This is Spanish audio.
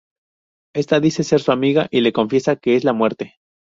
Esta dice ser su amiga, y le confiesa que es la Muerte.